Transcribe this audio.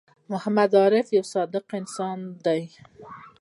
محمد عارف یوه صادق انسان دی